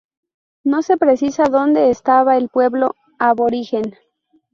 No se precisa dónde estaba el pueblo aborigen.